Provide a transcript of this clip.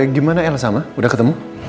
gimana elsa ma udah ketemu